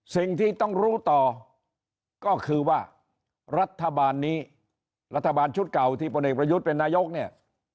สิ่งที่ต้องรู้ต่อก็คือว่ารัฐบาลนี้รัฐบาลชุดเก่าที่พลเอกประยุทธ์เป็นนายกเนี่ย